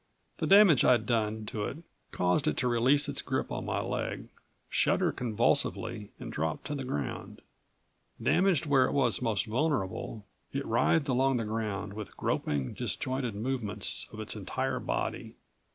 The damage I'd done to it caused it to release its grip on my leg, shudder convulsively and drop to the ground. Damaged where it was most vulnerable, it writhed along the ground with groping, disjointed movements of its entire body.